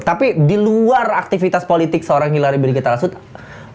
tapi di luar aktivitas politik seorang hillary b k russell